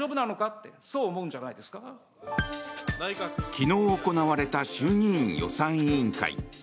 昨日行われた衆議院予算委員会。